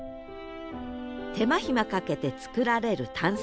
手間暇かけて作られるタンス。